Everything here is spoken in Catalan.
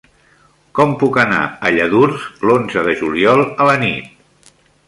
Com puc anar a Lladurs l'onze de juliol a la nit?